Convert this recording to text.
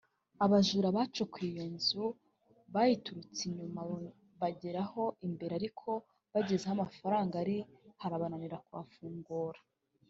Abajura bacukuye iyo nzu bayiturutse inyuma bageramo imbere ariko bageze aho amafaranga ari habananira kuhafungura